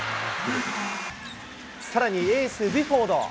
さらにエース、ビュフォード。